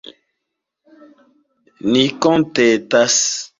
Ni kontentas.